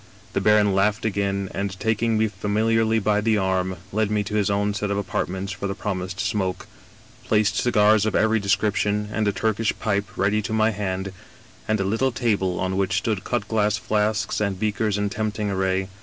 The baron laughed again, and, taking me familiarly by the arm, led me to his own set of apartments for the promised smoke. He en sconced me in an armchair, placed cigars of every descrip tion and a Turkish pipe ready to my hand, and a little table on which stood cut glass flasks and beakers in tempting array.